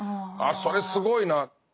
あそれすごいな。